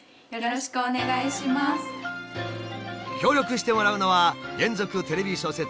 協力してもらうのは連続テレビ小説